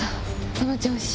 その調子。